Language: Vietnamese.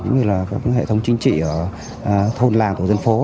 cũng như là các hệ thống chính trị ở thôn làng tổ dân phố